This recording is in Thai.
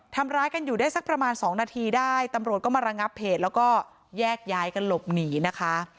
ทำร้ายกันอยู่ได้สักประมาณ๒นาทีได้ตำรวจก็มาระงับเหตุแล้วก็แยกย้ายกันหลบหนีนะคะ